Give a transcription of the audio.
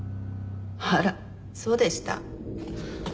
あらそうでした？